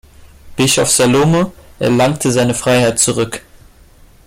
Bischof Salomo erlangte seine Freiheit zurück.